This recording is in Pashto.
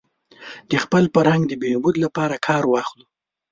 د خپل فرهنګ د بهبود لپاره کار واخلو.